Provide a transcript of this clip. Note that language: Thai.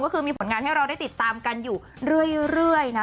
ก็คือมีผลงานให้เราได้ติดตามกันอยู่เรื่อยนะ